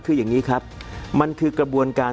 คืออย่างนี้ครับมันคือกระบวนการ